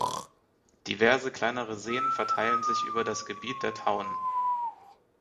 Diverse kleinere Seen verteilen sich über das Gebiet der Town.